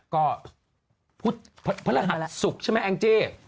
ก็พระหัตน์สุขใช่ไหมแองเจ้